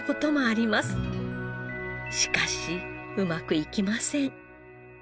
しかしうまくいきません。